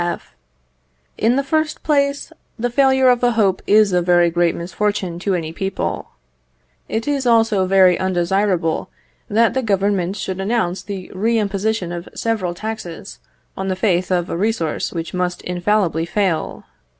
F. In the first place, the failure of a hope is a very great misfortune to any people. It is also very undesirable that the Government should announce the re imposition of several taxes on the faith of a resource which must infallibly fail.